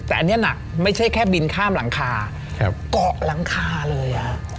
แต่อันนี้หนักไม่ใช่แค่บินข้ามหลังคาเกาะหลังคาเลย